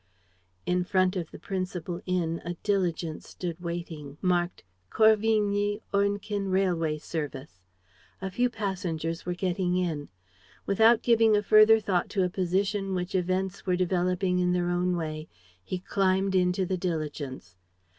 In front of the principal inn a diligence stood waiting, marked, "Corvigny Ornequin Railway Service." A few passengers were getting in. Without giving a further thought to a position which events were developing in their own way, he climbed into the diligence.